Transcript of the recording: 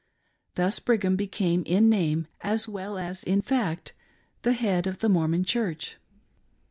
Thus Brigham became in name, as well as in fact, the head of the Mormon Church.